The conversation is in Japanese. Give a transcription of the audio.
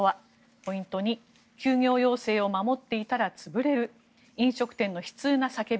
ポイント２、休業要請を守っていたら潰れる飲食店の悲痛な叫び。